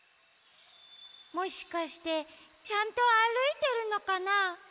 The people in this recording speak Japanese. もしかしてちゃんとあるいてるのかな？